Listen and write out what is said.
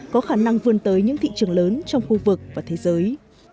có khả năng vươn tới những thị trường lớn trong khu vực và thế giới